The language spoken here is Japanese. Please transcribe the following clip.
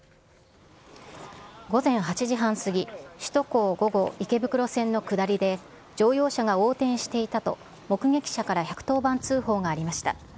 午前８時半過ぎ、首都高５号池袋線の下りで乗用車が横転していたと目撃者から１１０番通報がありました。